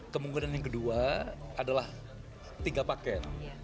kemungkinan yang kedua adalah tiga paket